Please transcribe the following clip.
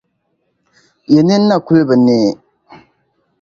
Yi nini na kul bi neei?